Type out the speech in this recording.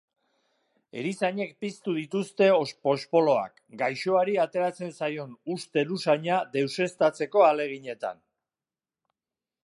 Erizainek piztu dituzte pospoloak, gaixoari ateratzen zaion ustel usaina deuseztatzeko ahaleginetan.